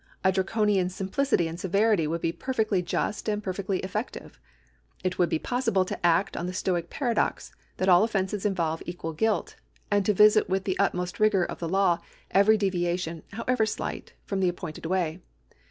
A draconian simplicity and severity would be perfectly just and perfectly effective. It would be possible to act on the Stoic paradox that all offences involve equal guilt, and to visit with the utmost rigom^ of the law every deviation, however slight, from the appointed way.